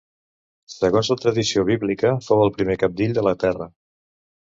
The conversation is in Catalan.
Segons la tradició bíblica fou el primer cabdill de la Terra.